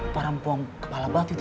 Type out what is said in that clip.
para perempuan kepala batu itu